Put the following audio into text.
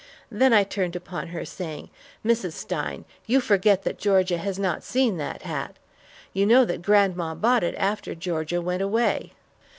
Then I turned upon her saying, "Mrs. Stein, you forget that Georgia has not seen that hat. You know that grandma bought it after Georgia went away."